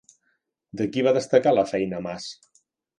De qui va desatacar la feina Mas?